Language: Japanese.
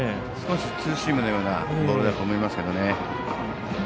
少しツーシームのようなボールだと思います。